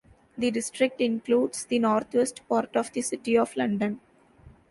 The district includes the northwest part of the City of London.